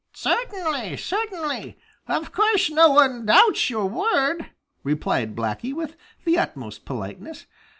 "Certainly, certainly. Of course no one doubts your word," replied Blacky, with the utmost politeness.